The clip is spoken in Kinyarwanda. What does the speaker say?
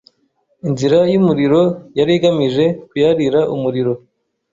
Inzira y’umuriro: yari igamije kuyarira umuriro